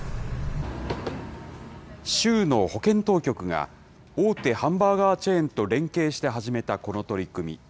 州の保健当局が、大手ハンバーガーチェーンと連携して始めたこの取り組み。